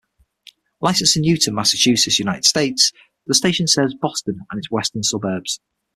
Licensed to Newton, Massachusetts, United States, the station serves Boston and its western suburbs.